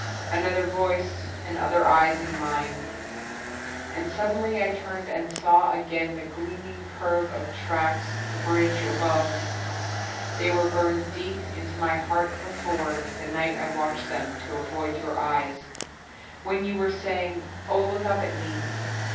Another voice and other eyes in mine! And suddenly I turned and saw again The gleaming curve of tracks, the bridge above They were burned deep into my heart before, The night I watched them to avoid your eyes, When you were saying, "Oh, look up at me!"